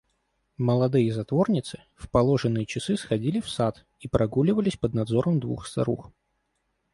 Молодые затворницы в положенные часы сходили в сад и прогуливались под надзором двух старух.